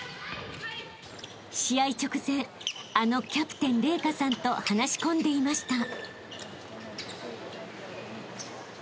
［試合直前あのキャプテン麗華さんと話し込んでいました］